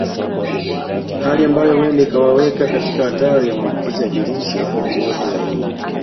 Hali ambayo huenda ikawaweka katika hatari ya maambukizi ya virusi wapenzi wote wawili